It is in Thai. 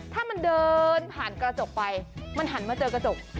ถ้ามันเดินผ่านกระจกไปมันหันมาเจอกระจก